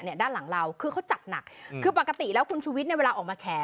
ด้านหลังเราคือเขาจัดหนักคือปกติแล้วคุณชุวิตเนี่ยเวลาออกมาแฉ